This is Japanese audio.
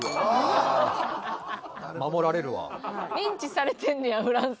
認知されてんねやフランスで。